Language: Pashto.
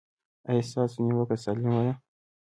ایا ستاسو نیوکه سالمه ده؟